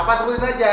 kapan sebutin aja